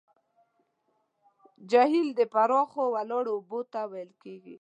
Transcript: جهیل پراخو ولاړو اوبو ته ویل کیږي.